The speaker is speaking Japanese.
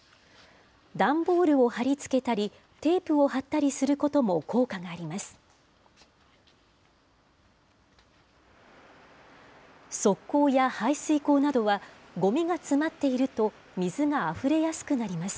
段ボールを貼り付けたり、テープを貼ったりすることも効果があります。